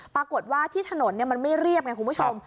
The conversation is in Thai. ปรากฏว่าที่ถนนมันไม่เรียบไงคุณผู้ชม